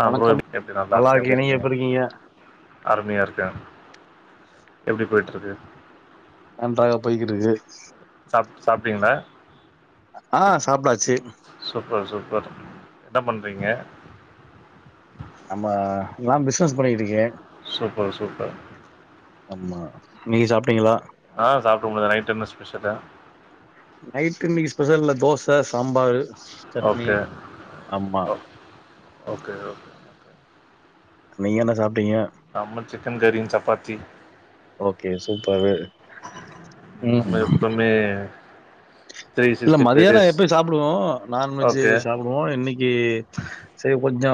அ bro வணக்கம் [unintelligible] நல்லா எப்டி இருக்கே நீங்க இருக்கீங்க எப்படி அருமையாருக்கே எப்டி போயிட்டுருக்கு நன்றாக போயிட்ருக்கு சாப் சாப்ட்டீங்களா அ சாப்ட்டாச்சு சூப்பர் சூப்பர் என்ன பண்றீங்க நம்ம நா பிசினஸ் பண்ணிட்டுருக்கே சூப்பர் சூப்பர் ஆமா நீங்க சாப்ட்டீங்களா அ சாப்டேன் ப்ரோ நைட்டு என்ன ஸ்பெஷலு நைட்டு இன்னக்கு ஸ்பெஷல் என்ன தோச சாம்பாரு சட்னி ஓகே ஆமா ஓ ஓகே ஓ நீங்க என்ன சாப்ட்டீங்க நம்ம சிக்கன் கறியு சப்பாத்தி ஓகே சூப்பரு ம் [unintelligible] த்ரீ இல்ல சிக்ஸ்டி ஃபைவ் மத்தியானம் டேஸ் எப்பயு சாப்டுவோ நான்வெஜ் ஓகே சாப்டுவோ இன்னைக்கு சேரி கொஞ்சோ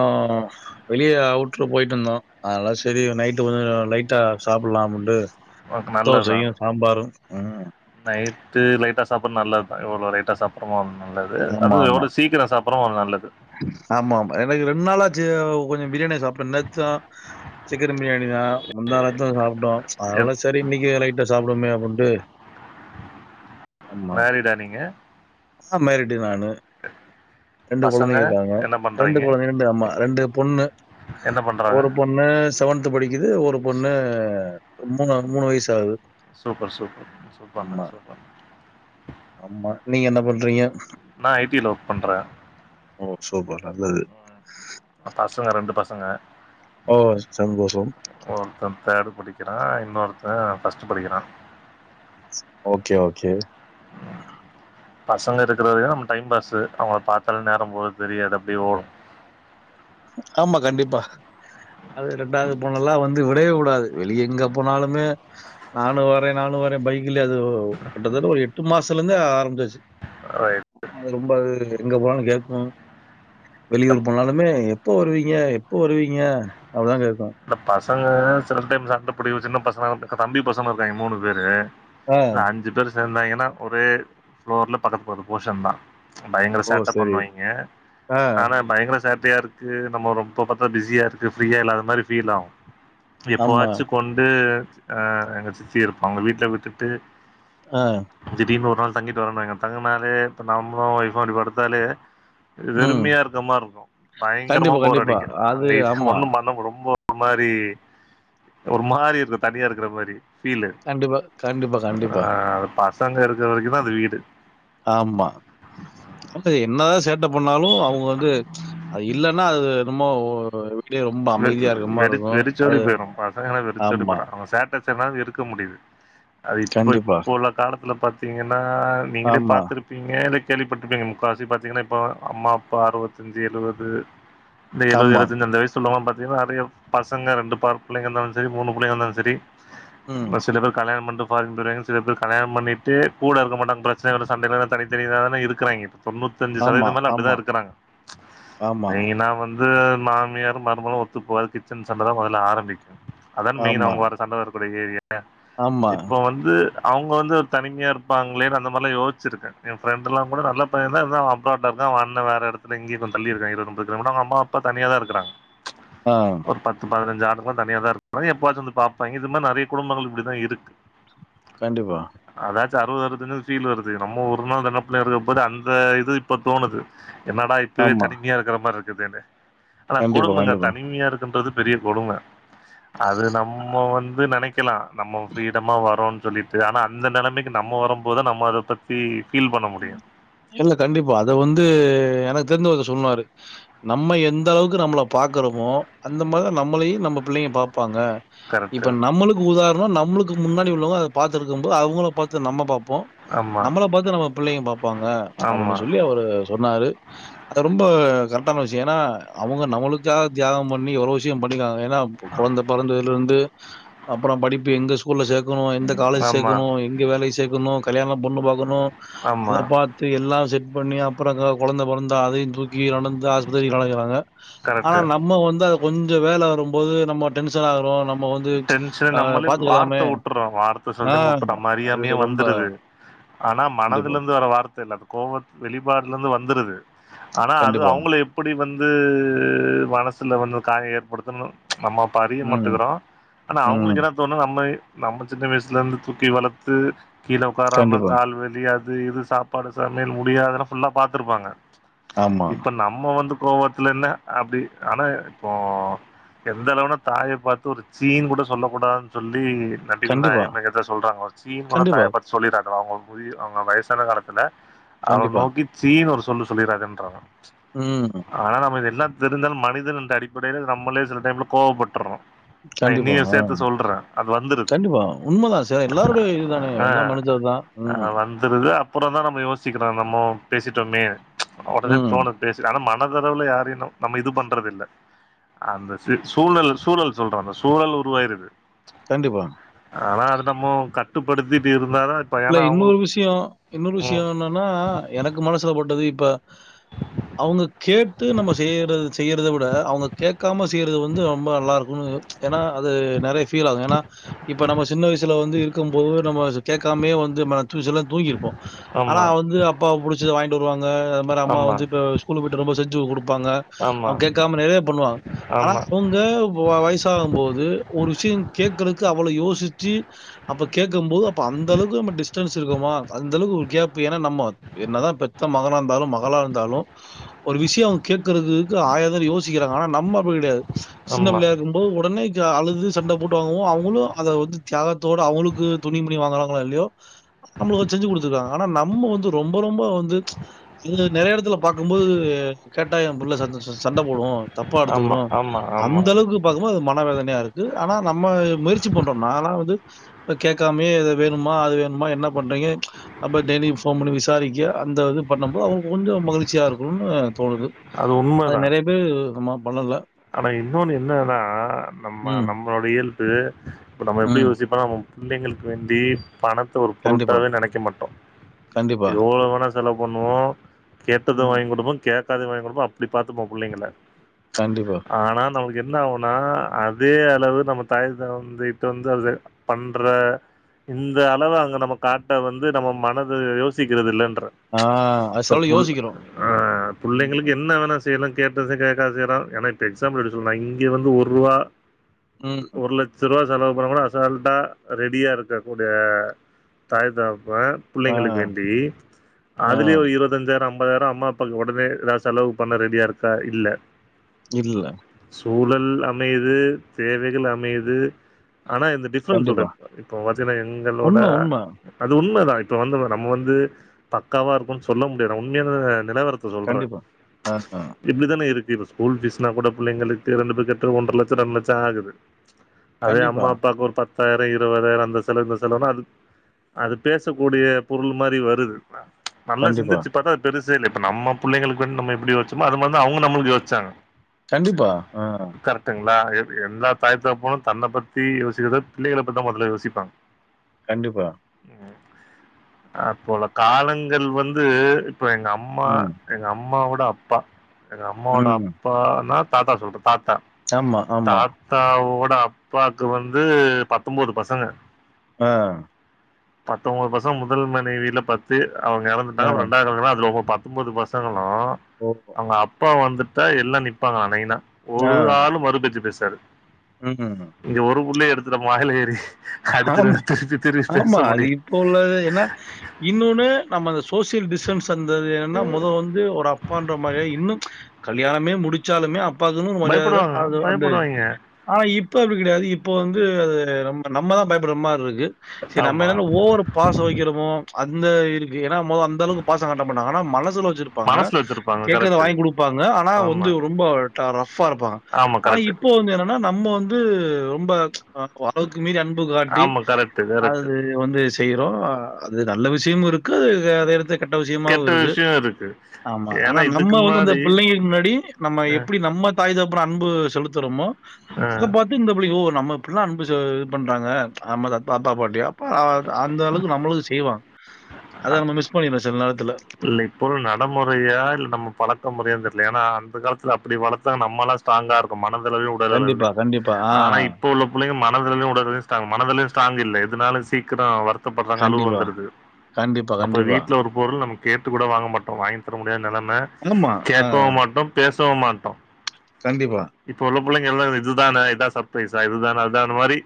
வெளியே அவுட்ல போயிட்டு வந்தோ அதால சரி நைட்டு கொஞ்சோ லைட்டா சாப்டுலா அப்டின்ட்டு ஒனக்கு நல்லதுதா ம் நைட்டு லைட்டா சாப்பற நல்லதா எவ்ளோ லேட்டா சாப் அப்பறமா நல்லது ஆமா அதுவு ஆமா எவ்ளோ சீக்கிரோ சாப்டுறோ நல்லது ஆமா ஆமா எனக்கு ரெண்டு நாளாச்சு கொஞ்சோ பிரியாணிய சாப்ட்ன் நேத்தா சிக்கன் பிரியாணி தா முந்தாநேத்தும் சாப்ட்டோ அதனால எப் சரி இன்னைக்கு லைட்டா சாப்டுவோமே அப்டின்ட்டு ஆமா மேரிடா நீங்க [unintelligible] ஏறிட்டேன் நானு ரெண்டு பசங்க கொழந்தைங்க இருக்காங்க என்ன ரெண்டு பண்றீங்க கொழந்தை ரெண்டு அம்மா ரெண்டு பொண்ணு என்ன பண்றாங்க ஒரு பொண் ணு செவன்த்து படிக்குது ஒரு பொண்ணு மூணு மூணு வயசு ஆகுது சூப்பர் சூப்பர் சூப்பர்ங்க ஆமா, சூப்பர் ஆமா நீங்க என்ன பண்றீங்க நான் ஐடில ஒர்க் பண்றே ஓ சூப்பர் நல்லது பசங்க ரெண்டு பசங்க ஓ சந்தோஷம் ஒருத்தன் தேர்டு படிக்கிறா இன்னொருத்தே ஃபஸ்ட்டு படிக்கிறா ஓகே ஓகே பசங்க இருக்கற வரையு டைம் பாஸ்ஸு அவங்கள பாத்தாலே நேரம் போறது தெரியாது அப்டியே ஓடும் ஆமா கண்டிப்பா அது ரெண்டாவது பொண்ணல்லா வந்து விடவே விடாது வெளிய எங்க போனாலுமே நானு வரே நானு வரே பைக்ல அது கிட்டத்தட்ட ஒரு எட்டு மாசத்துலருந்தே ஆரம்பிச்சாச்சு அது ரொம்ப அது எங்க போனாலு கேக்கு வெளியூர் போனாலுமே எப்போ வருவீங்க எப்போ வருவீங்க அப்டீன் தா கேக்கு இந்த பசங்க சில டைம் சண்ட பிடி சின்ன பசங்க இப்ப தம்பி பசங்களு இருக்காங்க மூணு பேரு ஆ. இந்த அஞ்சு பேர் சேந்தாங்கன்னா ஒரே ஃப்ளோர்ல பக்கத்து பக்கத்து போஷன் தா பயங்கர ஓ! சேட்ட சரி. பண்ணுவாய்ங்க ஆ. ஆனா பயங்கர சேட் டையா இருக்கு நம்ம ரொம்ப பாத்தா பிஸியா இருக்கு ஃபிரீயா இல்லாத மாரி ஃபீல் ஆவு ஆமா. எப்போவாச்சு கொண்டு ஆ எங்க சித்தி இருப்பாங்க வீட்ல விட்டுட்டு ஆ திடீர்னு ஒரு நாள் தங்கிட்டு வரேன்னாங்க தங்குனாலே இப்ப நம்மளு ஒய்ஃபு அப்டி படுத்தாலே ம். வெறுமையா இருக்க மாருக்கு பயங்கரமா கண்டிப்பா, போர் கண்டிப்பா. அடிக்கு அது அங்க இ ஆமா. ஒன்னும் பண்ண வுடும் ஒரு மாரி ஒரு மாரி இருக்கு தனியா இருக்குற மாரி ஃபீலு கண்டிப்பா, கண்டிப்பா, ஆ கண்டிப்பா. பசங்க இருக்குற வரைக்கு தா அது வீடு ஆமா வந்து என்னதா சேட்ட பண்ணாலு அவுங்க வந்து அது இல்லன்னா அது என்னமோ ஓ வெ வெறி வெறிச்சோடி போயிரு பசங்கல்லனா வெறிச்சோடி ஆமா. போயிரு அவுங்க சேட் டசனால இருக்க முடியுது அது இப்ப கண்டிப்பா. இப்ப உள்ள காலத்துல பாத்தீங்கன்னா நீங்களே ஆமா, பாத்துருப் நீங்க இல்ல கேள்விப்பட்ருப்பீங்க முக்காவாசி பாத்தீங்கன்னா இப்போ அம்மா அப்பா அறுவத்தஞ்சு எழுவது இந்த எழுவது ஆமா. எழுவத்தஞ்சு அந்த வயசுல்லுவங்கலா பாத்தீங்கன்னா நெறையா பசங்க ரெண்டு பார் புள்ளைங்க இருந்தாலு சரி மூனு புள்ளைங்க இருந்தாலு சரி ம். ஒரு சில பேர் கல்யாணம் பண்ட்டு பாதி போயிர்றாங்க சில பேர் கல்யாணம் பண்ணிட்டு கூட இருக்க மாட்டாங்க பிரச்சன வருது சண்ட வரு தனித்தனியா தான இருக்குறாய்ங்க தொண்ணூத்தஞ்சு ஆமா, சதவீத மேல அப்டிதா ஆமா, இருக்குறாங்க ஆமா. மெய்னா வந்து மாமியா ரு மருமகளு ஒத்துப்போவாது கிச்சன் சண்டதா மொதல்ல ஆரம்பிக்கு அதான மெய்ன் ஆமா, அவுங்க வர சண்ட வரக்கூடிய ஏரியா யா ஆமா. இப்போ வந் து அவுங்க வந்து ஒரு தனிமையா இருப்பாங்களேனு அந்த மாரில்லா யோசிச்சிருக்க ஏ ஃபிரெண்டுலா கூட நல்ல பையன்தா இருந்தாலு அவ அப்ராட்ல இருக்கா அவ அண்ண வேற எடத்துல எங்கியோ கொஞ்ச தள்ளி இருக்காங்க ரொம்ப தூரம் அவுங்க அம்மா அப்பா தனியா தா இருக்குறாங்க ஆ ஒரு பத்து பதினஞ்சு ஆண்டுகளா தனியா தா இருக்காங்க எப்பவாச்சு வந்து பாப்பாங்க இது மாரி நெறைய குடும்பங்கள் இப்டித்தா இருக்கு கண்டிப்பா அதாச்சு அறுவது அறவத்தஞ்சுன்னு ஃபீல் வருது நம்மோ ஒரு நாள் நெனப்புல இருக்கப் போது அந்த இது இப்போ தோணுது என்னடா இப்பவே ஆமா. தனிமையா இருக்குற மாரி இருக்குதேன்னு கண்டிப்பா, கொடுமங்க கண்டிப்பா. தனிமையா இருக்குன்றது பெரிய கொடும அது நம்ம வந்து நெனைக்கலா நம்ம ஃப்ரீடமா வரோன் சொல்லிட்டு ஆனா அந்த நெலமைக்கு நம்ம வரம் போதா நம்ம அத பத்தி ஃபீல் பண்ண முடியு இல்ல கண்டிப்பா அத வந்து எனக்கு தெரிஞ்ச ஒருத்தர் சொன்னாரு நம்ம எந்தளவுக்கு நம்மள பாக்குறோமோ அந்த மாரிதா நம்மளையு நம்ம புள்ளைங்க பாப்பாங்க கரெக்ட்டு. இப்ப நம்மளுக்கு உதாரண நம்மளுக்கு முன்னாடி உள்ளவங்க அத பாத்துருக்கும் போது அவுங்கள பாத்து நம்ம பாப்போ ஆமா, நம்மள பாத்து நம்ம பிள்ளைங்க பாப்பாங்க ஆமா, அப்டின்னு சொல்லி அவரு சொன்னாரு அது ரொம்ப கரெக்டான விஷய ஏன்னா அவுங்க நம்மளுக்காக தியாகம் பண்ணி எவ்ளோ விஷயம் பண்ணிருக்காங்க ஏன்னா கொழந்த பொறந்ததுல இருந்து அப்புற படிப்பு எங்க ஸ்கூல்ல சேக்கணு எந்த காலேஜ் ஆமா, சேக்கணு எங்க வேலைக்கு சேக்கணு கல்யாணம் பொண்ணு பாக்கணு அத ஆமா. பாத் த்து எல்லா செட் பண்ணி அப்புற கொழந்த பொறந்தா அதையு தூக்கி நடந்து ஆஸ்பத்திரிக் அலையிறாங்க அனா கரெக்ட்டு. நம்ம வந்து அது கொஞ்ச வேல வரும்போது நம்ம டென்ஷன் ஆகறோ நம் டென்ஷன் நம்மளே வார்த்த உட்டர்றோ வார்த்த சில ஆ டைம் உட்றோ நம்ம அது அறியாமயே ரொம்ப வந்துருது அனா மனதுல கண்டிப்பா, இருந்து வர வார்த்த இல்ல அது கோவத் வெளிப்பாடுல இருந்து வந்துருது அனா அது கண்டிப்பா. அவுங்கள‌ எப் படி வந்து மனசுல வந்து காயோ ஏற்படுத்தன்னு நம்ம அப்ப அறிய ம், மாட்டுக்கறோ அனா அவுங்களுக்கு ம். என்ன தோணு நம்ம நம்ம சின்ன வயசுல இருந்து தூக்கி வளத்து கீழ ஒக்காராம கண்டிப்பா. கால் வலி அது இது சாப்பாடு சமையல் முடியாதுன்னா ஃபுல்லா பாத்துருப்பாங்க ஆமா. இப்ப நம்ம வந்து கோவத்துல என்ன அப்டி ஆனா இப்போ எந்த அளவுனா தாய பாத்து ஒரு சீன் கூட சொல்ல கூடாதுன் சொல்லி நபிகள் கண்டிப்பா, நாயகம் [unintelligible] எதோ சொல்றாங்க சீன் கூட கண்டிப்பா, தாய பாத்து சொல்லிராத அவுங்க [unintelligible] அவங்க வயசான காலத்துல அவ கண்டிப்பா. நோக்கிப் சீன்னு ஒரு சொல்லு சொல்லீறாதன்றாங்க ம் ஆனா நம்ம இதெல்லா தெரிந்தாலு மனிதன் என்ற அடிப்படையில நம்மலே சில டைம்ல கோவப்பட்டர்றோ நா கண்டிப்பா, என்னையு ஆ. சேர்த்து சொல்ற அது வந்துருது கண்டிப்பா. உண்மதான் சார். எல்லாருடைய இதுதானே. ஆ எல்லா மனிதர் தான். ம், ஆவன் த்தரது அப்பறோ தா நம்ம யோசிக்கறோ நம்மோ பேசிட்டோமே உடனே ம். தோணுது பேசிட் அனா மன தளவுல யாரையுனு நம்ம இது பண்றதுல்ல அந்த சி சூழல் சூழல் சொல்ற அந்த சூழல் உருவாயிருது கண்டிப்பா ஆனா அது நம்மே கட்டுப்படுத்தீட்டு இருந்தாதா இப்ப இல்ல ஏன்னா இன்னொரு அவங்களுக்கு விஷயோ இன்னொரு விஷயோ ம் என்னன்னா எனக்கு மனசுல பட்டது இப்ப அவுங்க கேட்டு நம்ம செய்ற செய்றத விட அவுங்க கேக்காம செய்றது வந்து ரொம்ப நல்லாயிருக்குன்னு ஏன்னா அது நெறைய ஃபீல் ஆது ஏன்னா இப்ப நம்ம சின்ன வயசுல வந்து இருக்கும் போது நம்ம கேக் காமே வந்து மற்று விஷயலா தூங்கிருப்போ அனா ஆமா வந்து அப்பா புடிச்சத வாயின்ட் வருவாங்க அது மாரி அம்மா ஆமா வந்து இப்ப ஸ்கூல்லுக்கு போயிட்டு வரும்போது செஞ்சு குடுப்பாங்க அவ கேக்காம நெறைய பண்ணுவா ஆ ஆ அவங்க வா வயசாகும் போது ஒரு விஷயங் கேக்கறக்கு அவ்ளே யோசிச்சி அப்ப கேட்கும் போது அப்ப அந்த அளவுக்கு நம்ம டிஸ்டன்ஸ் இருக்குமா அந்த அளவுக்கு ஒரு கேப் பு ஏனா நம்ம என்னதா பெத்த மகனா இருந்தாலு மகளா இருந்தாலு ஒரு விஷயோ கேக்கறதுக்கு ஆயிர தரோ யோசிக்கறாங்க அனா நம்ம அப்டி கெடையாது சின்ன ஆமா பிள்ளையா இம்போ உடனே க அழுது சண்ட போட்டு வாங்குவோ அவுளு அத வந்து தியாகத்தோடு அவுங்களுக்கு துணி [unintelligible] வாங்கறாங்களோ இல்லயோ நம்மளுக்கு வந்து செஞ்சி குடுத்துருக்காங்க அனா நம்ம வந்து ரொம்ப ரொம்ப வந்து [unintelligible] நெறைய எடத்துல பாக்கும் போது கேட்டா ஏ புள்ள சந் [unintelligible] சண்ட போடு தப்பா ஆமா எடுத்துக்கறோ ஆமா ஆமா அந்த அளவுக்கு பாக்கும் போது அது மன வேதனையா இருக்கு அனா நம்ம முயற்சி பண்றோ நா லா வந்து இப்ப கேக்கா மே எத வேணுமா அது வேணுமா என்ன பண்றீங்க அப்ப டெலி போன் பண்ணி விசாரிக்க அந்த இது பண்ண போ அவுங்க கொஞ்சோ மகிழ்ச்சியா இருக்கணுன் தோணுது அது உண்மதா இது நம்ம பண்ணல அனா இன்னொன்னு என்னன்னா நம்ம ம், நம்மளோட இயல்பு இப்ப நம்ம எப்டி ம். யோசிப்போ நம்ம புள்ளைங்களுக் வேண்டி பணத்த ஒரு கண்டிப்பா, பொருட்டாவே நெனைக்க மாட்டோ கண்டிப்பா. எவ்ளே வேணா செலவு பண்ணுவோ கேட்டது ம். வாங்கி குடுபோ கேக்காததையு வாங்கி குடுபோ அப்டி பாத்துப்போ புள்ளைங்கள கண்டிப்பா ஆனா நம்மளுக்கு என்ன ஆகுனா அதே அளவு நம்ம தாய் தந்தைட்ட வந்து அது பண்ற இந்தளவு அங்க நம்ம காட்ட வந்து நம்ம மனது யோசிக்கிறது இல்லன்றே ஆ அது இப்ப சில புள் யோசிக்கிறோம். ஆ புள்ளைங்களுக்கு ம், என்ன வேணா ட்டு எல்லா கேட்டது கேக்காதது எதா ஆனா இப்ப எக்ஸாம்பிள் எடுத்துக் [unintelligible] இங்க வந்து ஒருவா ம். ஒரு லட் சருவா செலவு பண்ணா கூட அசல்ட்டாக ரெடியாக இருக்கக்கூடிய தாய் தாகப்பன் ஆ, புள்ளைங்களுக்கு வேண்டி ஆ. அதுலேயே ஒரு இருவ தஞ்சாயிரோ அம்பதாயிரோ அம்மா அப்பாக்கு ஒடனே எதா செலவு பண்ண ரெடியாருக்க இல்ல இல்ல சூழல் அமையிது தேவைகள் அமையிது ஆனா இந்த டி ஃபரண்ட்ஸோட கண்டிப்பா. இப்ப பாத்தீங்கனா எங்களோட உண்ம, உண்ம. அது உண்மதா இப்ப வந்து நம்ம வந்து பக்காவா இருக்கோணு சொல்ல முடியாது நா உண்மையான நிலவரத் த சொல்றே கண்டிப்பா. ஆ, ஆ. இப்டித்தான இருக்கு இப்ப ஸ்கூல் ஃபீஸ் னா கூட புள்ளைங்களுக்கு தெரண்டு போய் கட்ரோ ஒன்ற லட்சோ ரெண்டு லட்சோ ஆகுது அதே கண்டிப்பா, அம்மா அப்பாக்கு ஒரு பத் தாயிரோ இருவதாயிரோ அந்த செலவு இந்த செலவுனா அது அது பேசக்கூடிய பொருள் மாரி வருது நல்ல கண்டிப்பா, சிந்திச்சு பாத்தா அது பெருசே இல்ல இப்ப நம்ம புள்ளைங்களுக்கு வந்து நம்ம எப்டி யோச்சமோ அதுமாரி தா அவுங்க நம்ளுக்கு யோச்சாங்க கண்டிப்பா ஆ கரெக்டுங்ளா எல் எல்லா தாய் தகப்பனு தந்த பத்தி யோசிக்கத விட பிள்ளைக பத்தி தா மொதல்ல யோசிப்பாங்க கண்டிப்பா அப்புள்ள காலங்கள் வந்து இப்போ எங்க அம்மா ம், எங்க அம்மாவோட அப்பா எங்க அம்மாவோட ம். அப்பானா தாத்தா சொல்றே தாத்தா ஆமா ஆமா தாத்தா வோட அப்பாக்கு வந்து பத்தம்போது பசங்க ஆ பத்தம்போது பசங்க முதல் மனைவில பத்து அவுங்க எறந்துட்டாங்க ஆ. அப்றோ ரெண்டாது கல் [unintelligible] அதுல ஒம்போ பத் தொம்போது பசங்களு ஓ ஹோ எங்க அப்பா வந்துட்டா எல்லா நிப்பாங்ள நைனா ஒரு ஆளு மறுபேச்சு பேசாது ம் ம் இங்க ஒரு புள்ளயே எடுத்து நம்ம வாயில ஏறி அடிச்சிரு வேண்ட்டு திருப்பி திருப்பி பேச முடியு இப்ப உள்ளது என்ன இன்னொன்னு நம்ம அந்த சோசியல் டிஸ்டன்ஸ் அந்த அது என்ன மொத வந் இது ஒட அப்பான்ற மாரியே இன்னு கல்யாணமே முடிச்சாலுமே அப் பாக்குன்னு ஒரு மரியாத பயப்படுவாங்க. அது அந்தே பயப்படுவாய்ங்க. ஆனா இப்ப அப்டி கெடையாது இப்ப வந்து அது நம் நம்ம தா பயப்பட்ற மாரி இருக்கு செரி நம்ம ஆமா. என்னான ஓவரா பாச வெக்கிறமோ அந்த இருக்கு ஏனா மொ அந்த அந்தளவுக்கு வந்து பாசங்காட்ட மாட்டாங்க மனசில வெச்சிருப்பாங்க மனசுல வச்சிருப்பாங்க. கேக்கறத கரெக்ட்டு. வாங்கி குடுப்பாங்க ஆனா வந்து ஆமா. ரொம்ப ரஃபா இருப்பாங்க ஆமா ஆனா கரெக்ட்டு. இப்போ வந்து என்னன்னா நம்ம வந்து ரொம்ப [unintelligible] மீறி அன்பு காட்டி ஆமா கரெக்ட்டு, கரெக்ட்டு. அது வந்து செய்றோ அ அது நல்ல விஷயமு இருக்கு அத எடுத்து கெட்ட விசியமாவு கெட்ட இருக்கு விஷயம் இருக்கு. ஆமா ஆனா ஏன்னா இதுக்கு நம்ம வந்து அந்த முன்னாடி பிள்ளைங்களுக்கு முன்னாடி நம்ம அ, எப்டி நம்ம தாய் தகப்பன் அன்பு செலுத்துறோமோ அ, அத பாத்து இந்த பிள்ளை ஓ நம்ம இப்பில்லா அன்பு செ பண்றாங்க அம்ம த தாத்தா பாட்டி அ அந்த அளவுக்கு நம்மளுக்கு செய்வா அத நம்ம மிஸ் பண்ணிறோ சில நேரத்துல இல்ல இப்போது நடமுறையா இல் நம்ம பழக்க முறையானு தெரில ஏனா அந்த காலத்துல அப்டி வளத்தாங்க நம்மளா ஸ்ட்ராங்கா இருக்கு மனது அளவுலையு உடல் கண்டிப்பா, அளவுலையு கண்டிப்பா. ஆ. ஆனா இப்ப உள்ள பிள்ளங்க மனது அளவுலையு உடல் அளவுலையு ஸ்ட்ராங் மனது அளவுல ஸ்டராங் இல்ல இதனால சீக்கிரோ வர் த்தப்படுறாங்க அழவ கண்டிப்பா, வந்துடுது கண்டிப்பா, அப்பறோ கண்டிப்பா. வீட்ல ஒரு பொருள் நம்ம கேட்டு கூட வாங்க மாட்டோ வாங்கி தர முடியாத நெலைம ஆமா. ஆ. கேக்கவு மாட்டோ பேசவு மாட்டோ கண்டிப்பா இப்ப உள்ள பிள்ளைங்க எல்லா இதுதானே இதா சர்ப்ரைசா இதுதானே அதான மாரி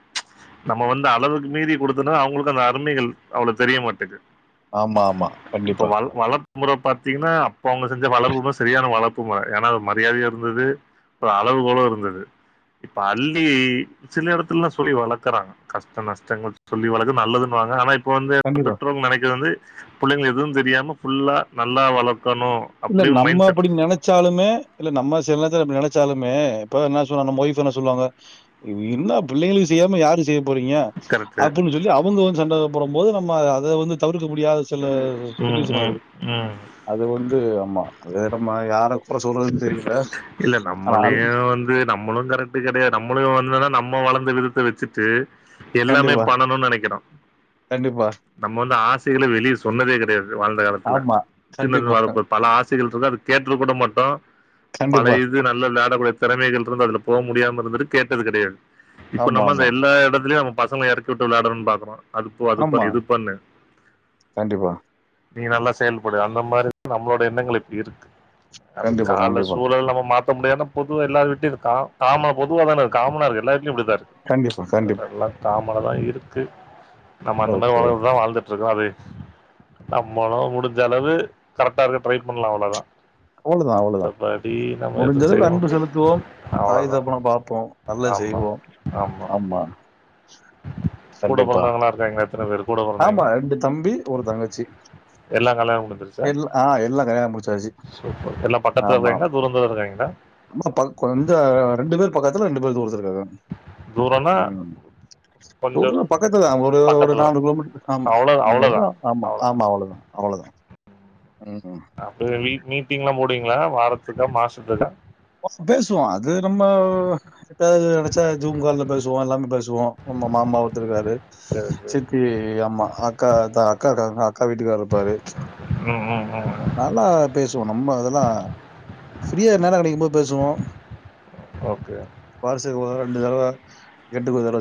நம்ம வந்து அளவுக்கு மீறி குடுத்தனா அவுங்களுக்கு அந்த அருமைகள் அவ்வளோ தெரிய மாட்டேக்கு ஆமா ஆமா இப்போ கண்டிப்பா, வள் வள முறை பாத்தீங்கன்னா அப்ப அவுங்க செஞ்ச வளர்பபு சரியான வளர்ப்புபாங்க ஏனா அது மரியாதையா இருந்தது ஒரு அளவு கோலு இருந்துது இப்ப அல்லி சில இடத்துலல்லா சொல்லி வளக்குறாங்க கஷ்ட நஷ்டங்கள் சொல்லி வளக்குது நல்லதுன்னுவாங்க ஆனா ப் இப்போ வந்து கண்டிப்பா. பெற்றோர்கள் நெனைக்கிறது வந்து பிள்ளைங்கள எதுவு தெரியாம ஃபுல்லா நல்லா வளக்கணு இல்ல நம்ம அப்படி நெனை ச்சாலுமே இல்ல நம்ம சிலது நெனைச்சாலுமே இப்ப என்ன சொன்னா நம்ம ஒய்ஃப் என்ன சொல்லுவாங்க இவ என்ன பிள்ளைகளுக்கு செய்யாம யாருக் செய்யப் போறீங்க கரெக்ட்டு. அப்டின்னு சொல்லி அவுங்க ஒரு சண்டைய போடம்போது நம்ம அத வந்து தவிர்க்க முடியாத சில ம், சிட்டிவேசன் ம், வருது ம். அது வந்து ஆமா அது நம்ம யார கொற சொல்றதுன் தெரில ஆனாலு நம்மளு கரெக்ட் கெடையா நம்மளு வந்தனா நம்ம வளந்த விதத்த வச்சுட்டு எல்லாமே கண்டிப்பா பண்ணணு நெனைக்கிறோ கண்டிப்பா நம்ம வந்து ஆசைகள வெளிய சொன்னதே கெடையாது வாழ்ந்த காலத்துல ஆமா சிலது கண்டிப்பா வரப்பப் பல ஆசைகள் இருக்கு அது கேட்ருகக்கூட மாட்டோ பல கண்டிப்பா இது நல்ல விளாடகூட திறமைகள் இருந்து அதுல போ முடியாம இருந்தது கேட்டது கெடையாது இப்ப ஆமா நம்ம அந்த ஆமா எல்லா எடத்துலயு நம்ம பசங்க இற க்யுட்டு விளாடணும்னு பாக்குறோ அதுப் போ அது ஆமா பண்ணு இது பண்ணு கண்டிப்பா நீ நல்லா செயல்படு அந்த மாரி நம்மளோட எண்ணங்கள் இப்பிடி இருக்கு அது கண்டிப்பா கால கண்டிப்பா சூழல் நம்ம மாத் த்த முடியாதுனா பொதுவா எல்லாருவிட்டயு இதுக் கா காம பொதுவா தான இருக்கு காமனா இருக்கு எல்லாரு [unintelligible] இப்டிதா கண்டிப்பா அது கண்டிப்பா எல்லா காமனா தா இருக்கு நம்ம அந்த மாரி ஓகே வ வா வாழ்ந்துட்டு இருக்குறோ அதே நம்மலு முடிஞ்ச அளவு கரெக்ட்டா இருக்க ட்ரைப் பண்ணலா அவ்ளோ தா அவ்ளோதா அவ்ளோதா எதுவும் முடிஞ்சது செய்ய அன்பு முடியும் செலுத்துவோம் தாய் அவ்வளவுதான் தகப்பனா பாப்போம் நல்லது ஆமா செய்வோம் ஆமா கூட கண்டிப்பா பொறந்தவங்களா இருக்காங்கல எத்தன பேர் கூட ஆமா பிறந்தாங்க ரெண்டு தம்பி ஒரு தங்கச்சி எல்லா கல்யாணம் முடிஞ்சுருச்சா எல்லாம் ஆ எல்லாம் கல்யாணம் முடிச்சாச்சு சூப்பர் எல்லா பக்கத்துல ஆமா இருக்காங்களா ஆமா தூரம் [unintelligible] இருக்காங்களா ஆமா பக் கொஞ்ச ரெண்டு பேர் பக்கத்துல ரெண்டு பேர் தூரத்துல இருக்காங்க தூரன்னா தூர்னா பக்கத்துல தா ஒரு ஒரு பக்கத்துல நாலு கிலோமீட்டர் ஆமா அவ்ளோ அவ்ளோதா [unintelligible] ஆமா அவ்ளோ ஆமா அவ்ளோதா அவ்ளோதா ம் ம் அப்போ வீட் மீட்டிங்லா போடுவீங்களா வாரத்துக்கா மாசத்துக்கா ஃபஸ்ட்டு பேசுவோ அது நம்ம வ் செட் ஆகாது நெனச்சா ஜூம் கால்ல பேசுவோ எல்லாமே பேசுவோ நம்ம மாமா ஒருத்தருக்காரு சரி சரி சித்தி அம்மா அக்கா தா அக்கா இருக்காங்க அக்கா வீட்டுக்காரு இருப்பாரு ம் ம் ம் ம் நல்லா பேசுவோ நம்ம அதெல்லா ஃபிரீயா நேர கெடைக்கு போது பேசுவோ ஓகே வருஷத்துக்கு ஒரு தடவ ரெண்டு தடவ கெட்டு கெதர வச்சு